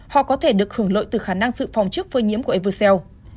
họ có thể được hưởng lợi từ khả năng dự phòng trước phơi nhiễm của evucel